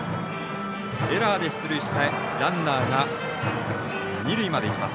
エラーで出塁したランナーが二塁まで行きます。